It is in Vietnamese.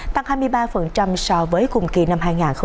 tăng hai mươi ba so với cùng kỳ năm hai nghìn hai mươi ba